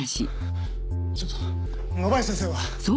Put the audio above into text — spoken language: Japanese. ちょっと野林先生は？